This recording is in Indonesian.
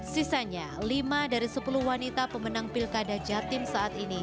sisanya lima dari sepuluh wanita pemenang pilkada jatim saat ini